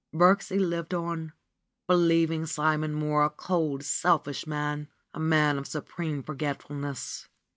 Birksie lived on, believing Simon Mohr a cold, selfish man, a man of supreme forgetfulness.